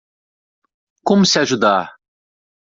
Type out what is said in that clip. Como se ajudar?